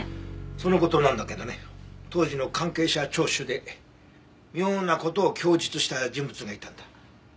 その事なんだけどね当時の関係者聴取で妙な事を供述した人物がいたんだ。